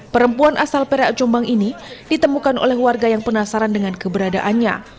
perempuan asal perak jombang ini ditemukan oleh warga yang penasaran dengan keberadaannya